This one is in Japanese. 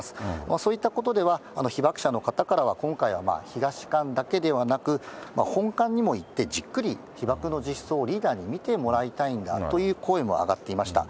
そういったことでは、被爆者の方から今回は東館だけではなく、本館にも行って、じっくり被爆の実相をリーダーに見てもらいたいんだという声も上がっていました。